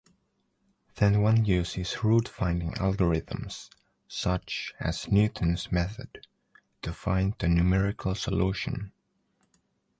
Then one uses root-finding algorithms, such as Newton's method, to find the numerical solution.